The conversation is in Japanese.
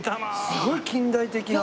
すごい近代的な。